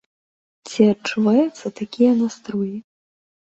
Ці адчуваюцца такія настроі?